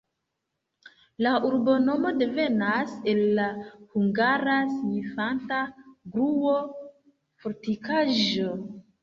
La urbonomo devenas el la hungara signifanta: gruo-fortikaĵo.